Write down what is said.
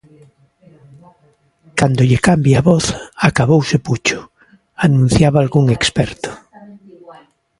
Cando lle cambie a voz, acabouse Pucho, anunciaba algún experto.